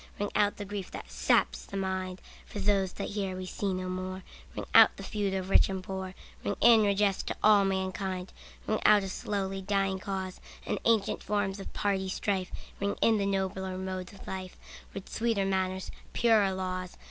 Ring out the grief that saps the mind, For those that here we see no more, Ring out the feud of rich and poor, Ring in redress to all mankind. Ring out a slowly dying cause, And ancient forms of party strife; Ring in the nobler modes of life, With sweeter manners, purer laws.